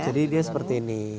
jadi dia seperti ini